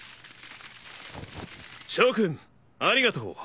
諸君ありがとう。